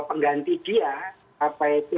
pengganti dia apa itu